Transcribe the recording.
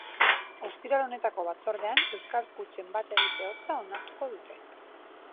Ostiral honetako batzordean euskal kutxen bat-egite hotza onartuko dute.